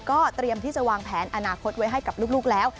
ก็เตรียมที่จะวางแผนอนาคตไว้ให้กับลูกแล้ว